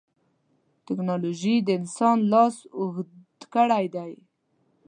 ټکنالوجي د انسان لاس اوږد کړی دی.